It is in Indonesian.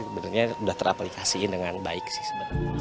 sebenarnya sudah teraplikasiin dengan baik sih sebenarnya